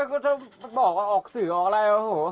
พูดเหมือนเดิมคือพูดอะไร